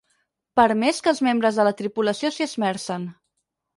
Per més que els membres de la tripulació s'hi esmercen.